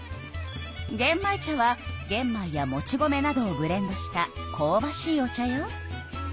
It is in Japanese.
げん米茶はげん米やもち米などをブレンドしたこうばしいお茶よ。